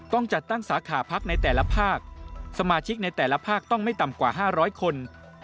ต้องจัดตั้งสาขาพักในแต่ละภาคสมาชิกในแต่ละภาคต้องไม่ต่ำกว่า๕๐๐คน